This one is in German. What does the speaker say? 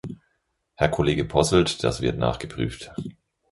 Herr Kollege Posselt, das wird nachgeprüft.